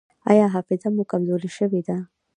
ایا حافظه مو کمزورې شوې ده؟